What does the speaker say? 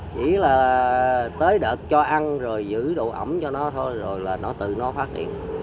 chỉ là tới đợt cho ăn rồi giữ độ ẩm cho nó thôi rồi nó tự nó phát triển